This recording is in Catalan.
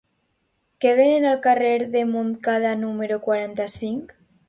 Què venen al carrer de Montcada número quaranta-cinc?